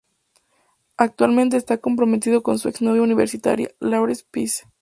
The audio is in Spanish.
Actualmente está comprometido con su ex novia universitaria, Lauren Pesce.